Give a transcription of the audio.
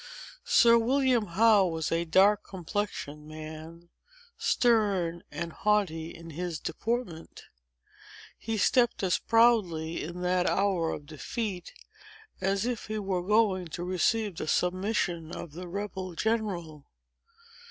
Sir William Howe was a dark complexioned man, stern and haughty in his deportment. He stepped as proudly, in that hour of defeat, as if he were going to receive the submission of the rebel general.